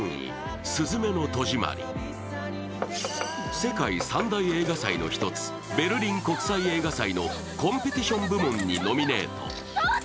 世界３大映画祭の一つ、ベルリン国際映画祭のコンペティション部門にノミネート。